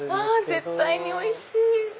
絶対においしい！